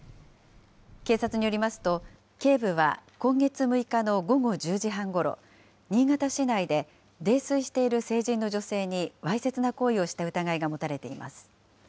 警察によりますと、警部は今月６日の午後１０時半ごろ、新潟市内で泥酔している成人の女性にわいせつな行為をした疑いが持たれています。